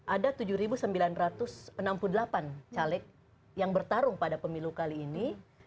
ada tujuh sembilan ratus enam puluh delapan caleg yang bertarung pada pemilu kali ini